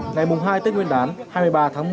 ngày hai tết nguyên đán hai mươi ba tháng một